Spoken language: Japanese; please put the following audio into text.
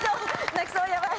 泣きそうヤバい。